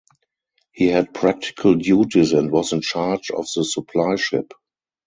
He had practical duties and was in charge of the supply ship.